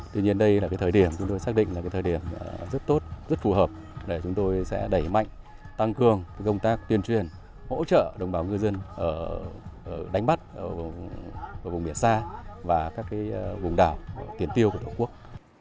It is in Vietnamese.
tuy nhiên đây là thời điểm chúng tôi xác định là thời điểm rất tốt rất phù hợp để chúng tôi sẽ đẩy mạnh tăng cường công tác tuyên truyền hỗ trợ đồng bào ngư dân đánh bắt ở vùng biển xa và các vùng đảo tiền tiêu của tổ quốc